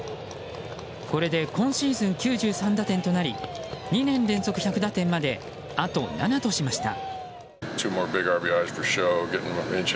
これで今シーズン９３打点となり２年連続１００打点まであと７としました。